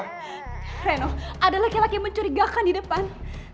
reno ada laki laki yang mencurigakan di depan